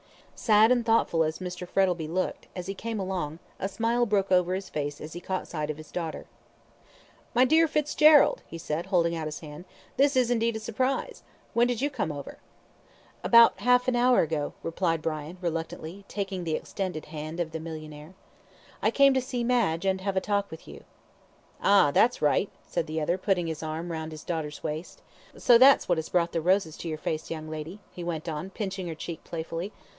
Sad and thoughtful as Mr. Frettlby looked, as he came along, a smile broke over his face as he caught sight of his daughter. "My dear Fitzgerald," he said, holding out his hand, "this is indeed a surprise! When did you come over?" "About half an hour ago," replied Brian, reluctantly, taking the extended hand of the millionaire. "I came to see Madge, and have a talk with you." "Ah! that's right," said the other, putting his arm round his daughter's waist. "So that's what has brought the roses to your face, young lady?" he went on, pinching her cheek playfully.